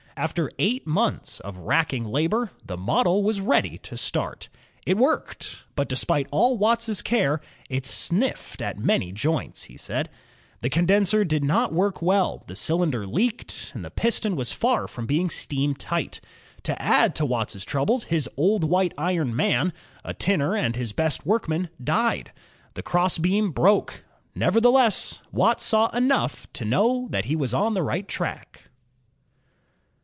After eight months of racking labor, the model was ready to start. It worked, but despite all Watt's care, it "sniffed at many joints.'^ The condenser did not work well; the cylinder leaked, and the piston was far from being steam tight. To add to Watt's troubles, his "old White Iron man," a tinner and his best workman, died. The cross ' beam broke. Nevertheless, Watt saw enough to know that he was on the right track.